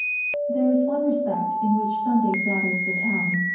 ] There is one respect in which Sunday flatters the town.